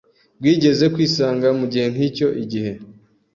bwigeze kwisanga mu gihe nk’icyo igihe